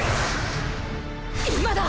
今だ！